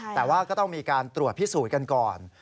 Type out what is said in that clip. แต่ว่าก็ต้องมีการตรวจพิสูจน์กันก่อน